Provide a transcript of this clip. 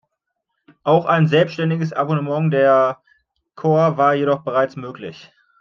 Auch ein selbständiges Abonnement der KoR war jedoch bereits möglich.